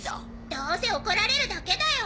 どうせ怒られるだけだよ。